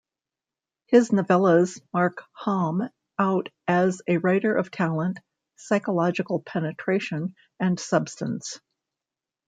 His novellas mark Halm out as a writer of talent, psychological penetration and substance.